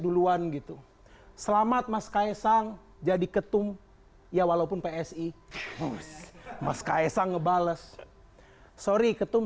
duluan gitu selamat mas kaisang jadi ketum ya walaupun psi mas kaisang ngebales sorry ketum